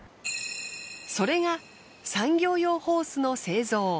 それが産業用ホースの製造。